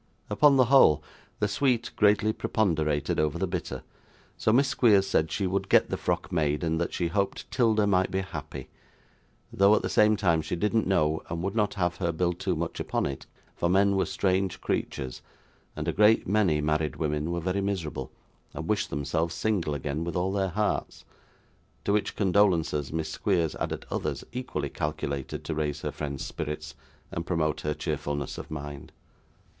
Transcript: Upon the whole, the sweet greatly preponderated over the bitter, so Miss Squeers said she would get the frock made, and that she hoped 'Tilda might be happy, though at the same time she didn't know, and would not have her build too much upon it, for men were strange creatures, and a great many married women were very miserable, and wished themselves single again with all their hearts; to which condolences Miss Squeers added others equally calculated to raise her friend's spirits and promote her cheerfulness of mind.